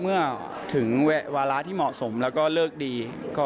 เมื่อถึงวาระที่เหมาะสมแล้วก็เลิกดี